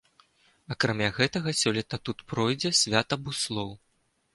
Акрамя гэтага, сёлета тут пройдзе свята буслоў.